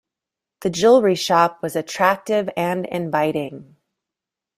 The jewellery shop was attractive and inviting.